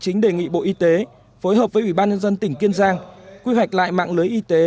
chính đề nghị bộ y tế phối hợp với ủy ban nhân dân tỉnh kiên giang quy hoạch lại mạng lưới y tế